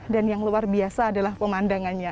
dan yang luar biasa adalah pemandangannya